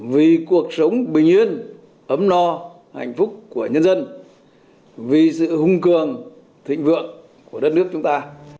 vì cuộc sống bình yên ấm no hạnh phúc của nhân dân vì sự hung cường thịnh vượng của đất nước chúng ta